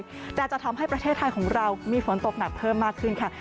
ตรงต่อประเทศไทยแต่จะทำให้ประเทศไทยของเรามีฝนตกหนักเพิ่มมากขึ้นค่ะ